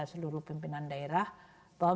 seluruh pimpinan daerah bahwa